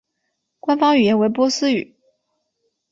官方语言为波斯语。